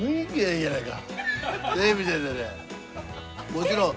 もちろん。